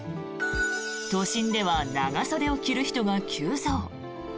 都心では長袖を着る人が急増。